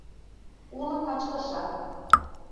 Улы качкышат.